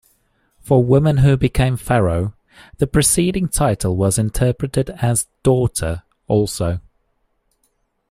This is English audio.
For women who became pharaoh, the preceding title was interpreted as "daughter" also.